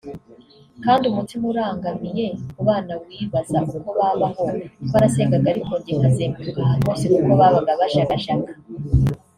kandi umutima urangamiye ku bana wibaza uko babaho…Twarasengaga ariko njye nkazenguruka ahantu hose kuko babaga bajagajaga